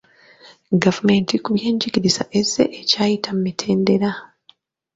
GavumentI ku byenjigiriza ezze ekyayita mu mitendera.